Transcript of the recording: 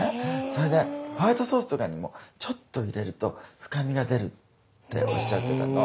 それで「ホワイトソースとかにもちょっと入れると深みが出る」っておっしゃってたの。